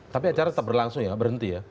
tapi acara tetap berlangsung ya berhenti ya